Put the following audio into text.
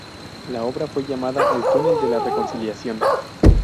La obra fue llamada el túnel de La Reconciliación.